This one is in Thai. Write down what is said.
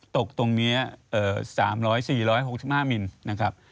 ตกตรงนี้๓๐๐๔๖๕มิลนะครับ